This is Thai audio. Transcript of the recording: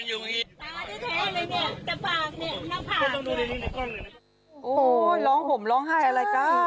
โอ้โหร้องห่มร้องไห้อะไรจ้า